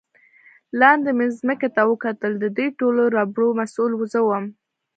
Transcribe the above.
لاندې مې ځمکې ته وکتل، د دې ټولو ربړو مسؤل زه ووم.